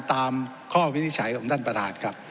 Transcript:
ตามข้อวินิจฉัยของท่านประธานครับ